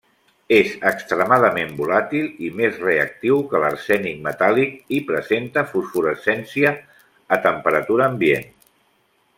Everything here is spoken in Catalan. És extremadament volàtil i més reactiu que l'arsènic metàl·lic i presenta fosforescència a temperatura ambient.